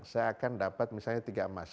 saya akan dapat misalnya tiga emas